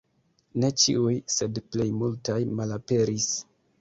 Ne ĉiuj, sed plej multaj malaperis.